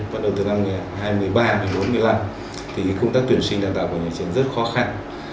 bắt đầu từ năm hai mươi ba hai mươi năm công tác tuyển sinh đào tạo của nhà chiến rất khó khăn